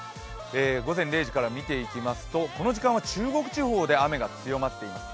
午前０時から見ていきますとこの時間は中国地方で雨が強まっています